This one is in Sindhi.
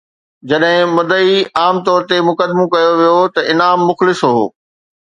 جڏهن مدعي عام طور تي مقدمو ڪيو ويو ته انعام مخلص هو